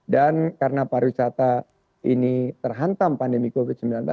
dan karena pariwisata ini terhantam pandemi covid sembilan belas